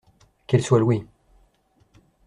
Qu’elle soit louée.